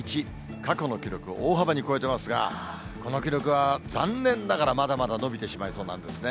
過去の記録、大幅に超えてますが、この記録は残念ながら、まだまだ延びてしまいそうなんですね。